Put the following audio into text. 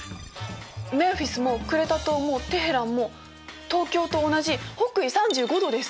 メンフィスもクレタ島もテヘランも東京と同じ北緯３５度です。